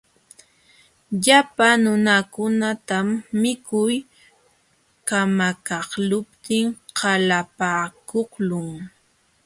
Llapa nunakunatam mikuy kamakaqluptin qalapaakuqlun.